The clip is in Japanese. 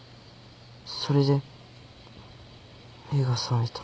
それで目が覚めた。